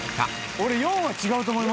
俺４は違うと思いました。